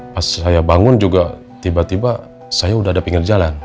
pas saya bangun juga tiba tiba saya udah ada pinggir jalan